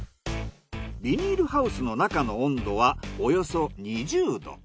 ビニールハウスの中の温度はおよそ２０℃。